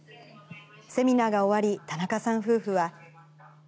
セミナーが終わり、田中さん夫婦は。